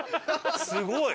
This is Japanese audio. すごい。